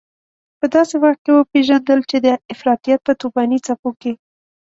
په داسې وخت کې وپېژندل چې د افراطيت په توپاني څپو کې.